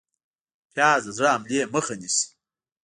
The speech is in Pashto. پیاز د زړه حملې مخه نیسي